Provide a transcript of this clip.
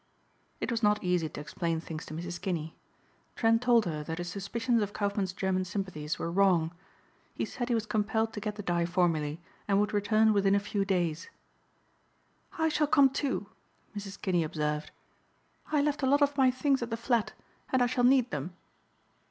It was not easy to explain things to Mrs. Kinney. Trent told her that his suspicions of Kaufmann's German sympathies were wrong. He said he was compelled to get the dye formulae and would return within a few days. "I shall come too," Mrs. Kinney observed. "I left a lot of my things at the flat and I shall need them."